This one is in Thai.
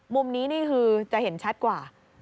มุมนี้นี่คือจะเห็นชัดกว่า